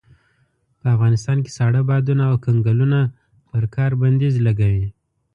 په افغانستان کې ساړه بادونه او کنګلونه پر کار بنديز لګوي.